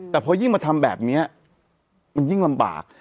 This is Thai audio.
แต่พอยิ่งมาทำแบบนี้มันยิ่งลำบาก